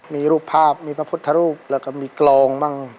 มีรูปภาพมีพระพุทธรูปแล้วก็มีกลองบ้าง